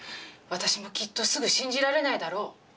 私もきっとすぐ信じられないだろう。